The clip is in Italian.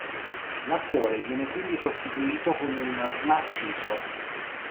L'attore viene quindi sostituito con un narciso.